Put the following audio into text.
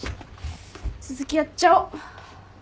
続きやっちゃお。